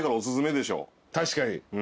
確かに。